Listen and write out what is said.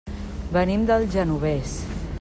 Venim del Genovés.